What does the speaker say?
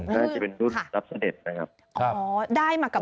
น่าจะเป็นรุ่นรับเสด็จนะครับ